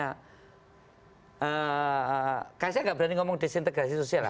kayaknya saya tidak berani ngomong disintegrasi sosial